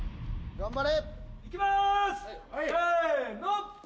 頑張れ。